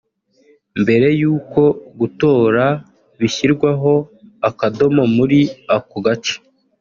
Mbere y’uko gutora bishyirwaho akadomo muri ako gace